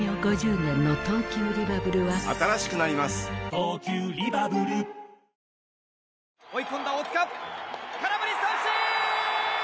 東京海上日動追い込んだ大塚空振り三振！